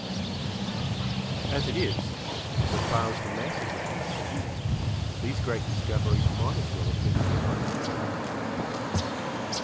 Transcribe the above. As it is, so far as the masses are concerned, those[Pg 15] great discoveries might as well have been made by foreigners.